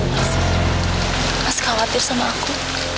mas mas khawatir sama aku